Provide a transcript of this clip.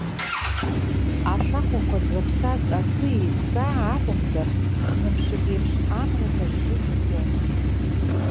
Ашәахәақәа злаԥсаз асы еиқәҵаа акәымзар, ԥхны мшык еиԥш амра кажжы иԥхон.